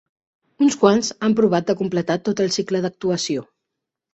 Uns quants han provat de completar tot el cicle d'actuació.